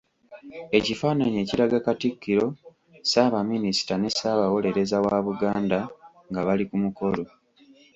Ekifaananyi ekiraga Katikkiro, Ssaabaminisita, ne Ssaabawolereza wa Buganda nga bali ku mukolo.